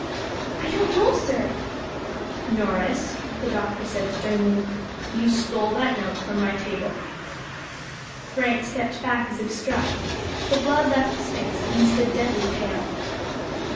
"I don't know, sir." "Norris," the Doctor said sternly, "you stole that note from my table." Frank stepped back as if struck, the blood left his face, and he stood deadly pale.